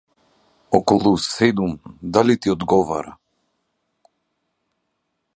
околу седум, дали ти одговара?